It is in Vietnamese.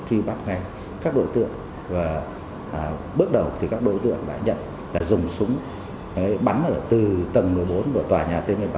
truy bắt ngay các đối tượng và bước đầu các đối tượng đã nhận dùng súng bắn từ tầng một mươi bốn của tòa nhà t một mươi bảy